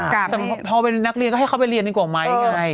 แต่พอเป็นนักเรียนก็ให้เขาไปเรียนดีกว่าไหมไง